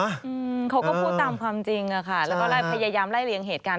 อืมเขาก็พูดตามความจริงอะค่ะแล้วก็ไล่พยายามไล่เลียงเหตุการณ์